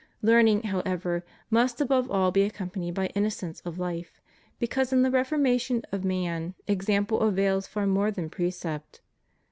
Learning, however, must above all be accompanied by innocence of life, because in the reformation of man ex ample avails far more than precept.